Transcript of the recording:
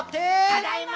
ただいま！